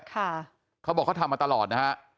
เขาบอกเขาทำมาตลอดนะฮะ